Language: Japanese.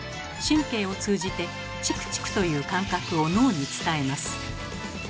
神経を通じて「チクチク」という感覚を脳に伝えます。